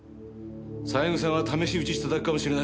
三枝が試し撃ちしただけかもしれないだろ？